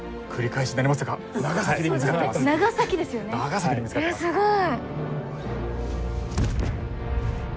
えすごい。